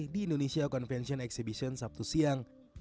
di indonesia convention exhibition sabtu siang